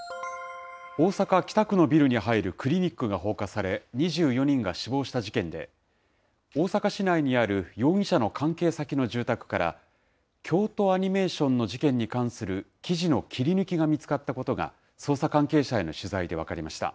大阪・北区のビルに入るクリニックが放火され、２４人が死亡した事件で、大阪市内にある容疑者の関係先の住宅から、京都アニメーションの事件に関する記事の切り抜きが見つかったことが、捜査関係者への取材で分かりました。